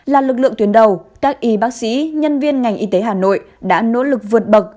là lực lượng tuyến đầu các y bác sĩ nhân viên ngành y tế hà nội đã nỗ lực vượt bậc